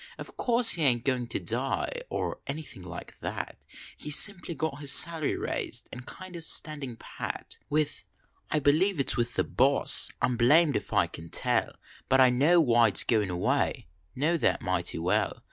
O course he ain t goin to die or anything like that, lie s simply got his sal ry raised and kind o "standiif pat " With I believe it s with the boss ; I m blamed if I can tell ; Hut I know Weid s goin away know that mighty well.